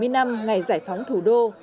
bảy mươi năm ngày giải phóng thủ đô